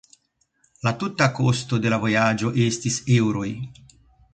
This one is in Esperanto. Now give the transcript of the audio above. La tuta kosto de la vojaĝo estis eŭroj.